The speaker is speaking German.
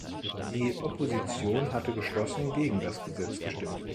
Die Opposition hatte geschlossen gegen das Gesetz gestimmt.